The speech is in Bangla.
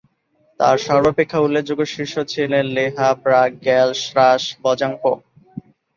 তার সর্বাপেক্ষা উল্লেখযোগ্য শিষ্য ছিলেন ল্হো-ব্রাগ-র্গ্যাল-স্রাস-ব্জাং-পো